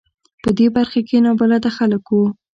په دې برخه کې نابلده خلک و.